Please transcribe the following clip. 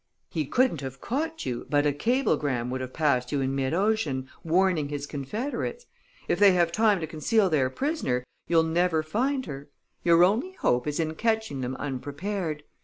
"He couldn't have caught you, but a cablegram would have passed you in mid ocean, warning his confederates. If they have time to conceal their prisoner, you'll never find her your only hope is in catching them unprepared.